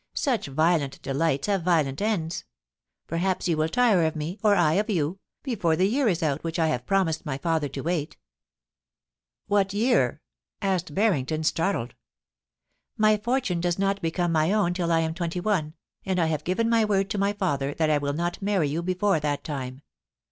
Such violent delights have violent ends. Perhaps you will tire of me, or I of you, before the year is out which I have promised my father to wait* * What year ?* asked Harrington, startled * My fortune does not become my own till I am twenty one, and I have given my word to my father that I will not marry you before that time.